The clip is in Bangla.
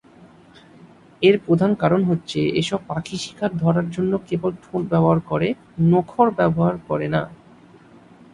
এর প্রধান কারণ হচ্ছে, এসব পাখি শিকার ধরার জন্য কেবল ঠোঁট ব্যবহার করে, নখর ব্যবহার করে না।